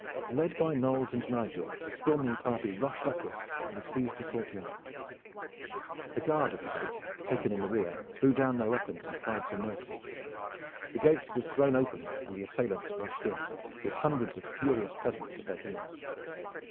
Led by Knolles and Nigel, the storming party rushed upward and seized the courtyard. The guard of the gate taken in the rear threw down their weapons and cried for mercy. The gate was thrown open and the assailants rushed in, with hundreds of furious peasants at their heels.